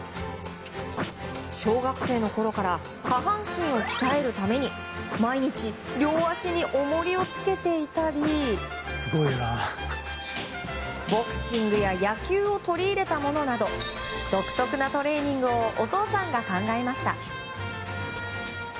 小学生のころから下半身を鍛えるために毎日、両足に重りをつけていたりボクシングや野球を取り入れたものなど独特なトレーニングをお父さんが考えました。